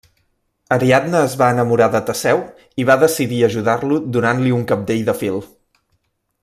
Ariadna es va enamorar de Teseu i va decidir ajudar-lo donant-li un cabdell de fil.